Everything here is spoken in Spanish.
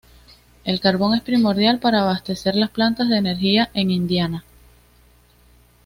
El carbón es primordial para abastecer las plantas de energía en Indiana.